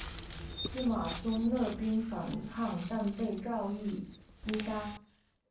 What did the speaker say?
司马宗勒兵反抗但被赵胤击杀。